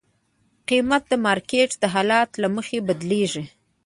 قیمت د مارکیټ د حالت له مخې بدلېږي.